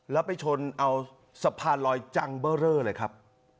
แล้วไปชนเอาสะพานลอยจังเบอร์เรอเลยครับ